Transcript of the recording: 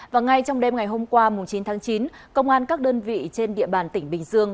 và ngay trong đêm ngày hôm qua chín tháng chín công an các đơn vị trên địa bàn tỉnh bình dương